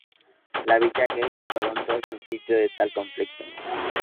La villa gay de Toronto es un sitio de tal conflicto.